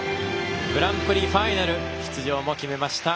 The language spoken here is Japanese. グランプリファイナル出場も決めました。